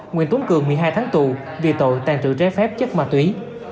nguyễn tốn cường một mươi hai tháng tù vì tội tàn trự trái phép chất ma túy